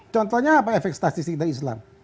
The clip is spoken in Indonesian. contohnya apa efek statistik dari islam